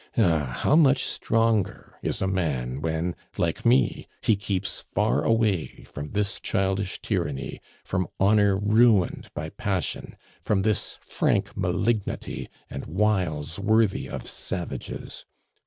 Ah, how much stronger is a man when, like me, he keeps far away from this childish tyranny, from honor ruined by passion, from this frank malignity, and wiles worthy of savages!